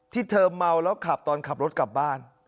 ที่เธอเมาแล้วขับตอนขับรถกลับบ้าน